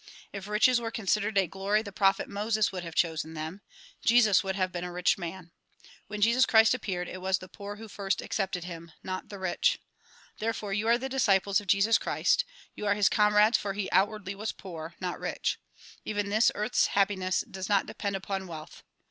If riches were considered a glory the prophet Moses would have chosen them; Jesus would have been a rich man. When Jesus Christ appeared it was the poor who first accepted him, not the rich. Therefore you are the disciples of Jesus Christ; you are his comrades for he outwardly was poor not rich. Even this earth's happiness does not depend upon wealth.